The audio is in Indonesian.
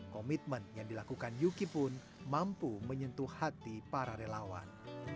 komitmen yang dilakukan yuki pun mampu menyentuh hati para relawan